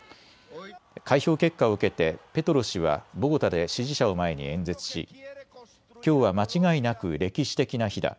開票結果を受けてペトロ氏はボゴタで支持者を前に演説し、きょうは間違いなく歴史的な日だ。